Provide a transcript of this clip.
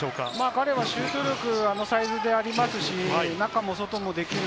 彼はシュート力、あのサイズでありますし、中も外もできる。